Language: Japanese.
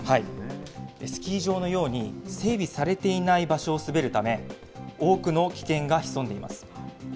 スキー場のように、整備されていない場所を滑るため、多くの危険が潜んでいます。